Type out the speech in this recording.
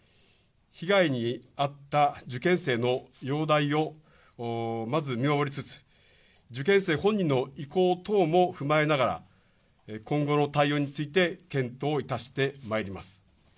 被害に遭った受験生の容体をまず見守りつつ、受験生本人の意向等も踏まえながら、今後の対応について、検討いたしてまいります。